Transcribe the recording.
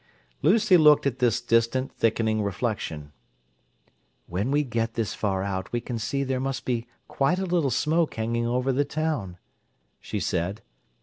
Lucy looked at this distant thickening reflection. "When we get this far out we can see there must be quite a little smoke hanging over the town," she said.